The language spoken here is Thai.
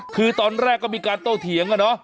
คือตอนแรกก็มีการโต้เถียงอะเนาะ